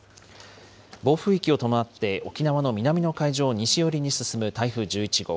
暴風域を伴って、沖縄の南の海上を西寄りに進む台風１１号。